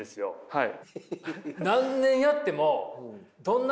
はい。